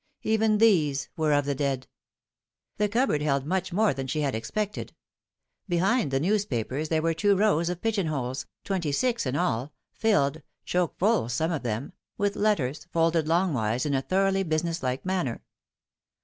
Even these were of the dead. The cupboard held much more than she had expected. Behind the newspapers there were two rows of pigeon holes, twenty six in all, filled choke full some of them with letters, folded longwise, in a thoroughly business like manner.